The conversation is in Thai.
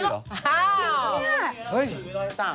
อ้าวเห้ยจุ๋ยมีรอยสักแอบเปรี้ยวเหมือนกันจุ๋ย